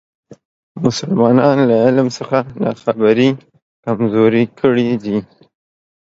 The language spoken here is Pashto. مسلمانان له علم څخه ناخبري کمزوري کړي دي.